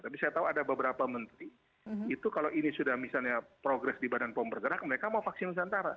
tapi saya tahu ada beberapa menteri itu kalau ini sudah misalnya progres di badan pom bergerak mereka mau vaksin nusantara